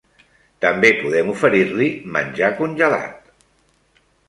També podem oferir-li menjar congelat.